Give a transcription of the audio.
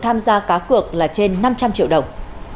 tham gia cá cược là trên năm trăm linh triệu đồng